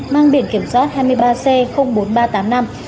mang biển kiểm soát hai mươi ba c bốn nghìn ba trăm tám mươi năm